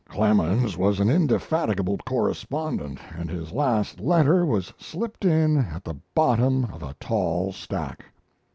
Clemens was an indefatigable correspondent, and his last letter was slipped in at the bottom of a tall stack.